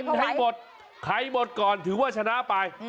ให้หมดใครหมดก่อนถือว่าชนะไป